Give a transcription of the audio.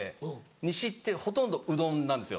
西ってほとんどうどんなんですよ